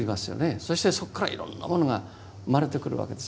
そしてそこからいろんなものが生まれてくるわけです。